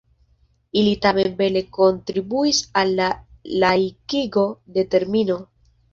Ili tamen bele kontribuis al la laikigo de termino.